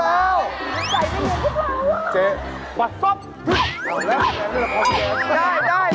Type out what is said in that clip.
อ้าวพี่แดนแล้วละครับ